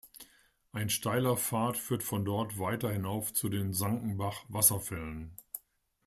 Ein steiler Pfad führt von dort weiter hinauf zu den "Sankenbach-Wasserfällen".